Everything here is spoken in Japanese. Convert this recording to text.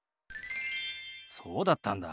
そうだったんだ。